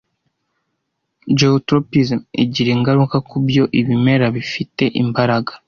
Geotropism igira ingaruka kubyo Ibimera bifite imbaraga